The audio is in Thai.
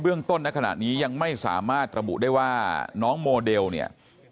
ต้นในขณะนี้ยังไม่สามารถระบุได้ว่าน้องโมเดลเนี่ย